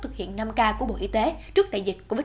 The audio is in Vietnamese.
thực hiện năm k của bộ y tế trước đại dịch covid một mươi chín